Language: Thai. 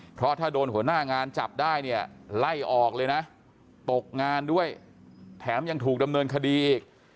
เพราะถ้าโดนหัวหน้างานจับได้เนี่ยไล่ออกเลยนะตกงานด้วยแถมยังถูกดำเนินคดีอีก